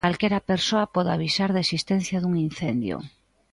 Calquera persoa pode avisar da existencia dun incendio.